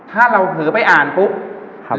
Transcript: ถ้าเราเผลอไปอ่านปุ๊บ